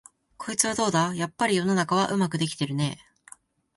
こいつはどうだ、やっぱり世の中はうまくできてるねえ、